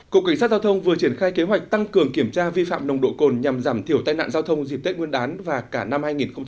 cục cảnh sát giao thông vừa triển khai kế hoạch tăng cường kiểm tra vi phạm nồng độ cồn nhằm giảm thiểu tai nạn giao thông dịp tết nguyên đán và cả năm hai nghìn hai mươi